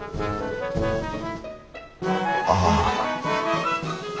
ああ。